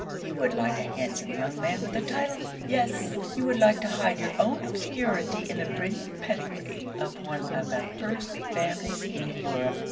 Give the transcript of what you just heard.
You would like a handsome young man with a title! Yes! you would like to hide your own obscurity in the brilliant pedigree of one of the first families in Europe.